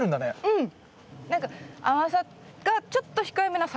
うん！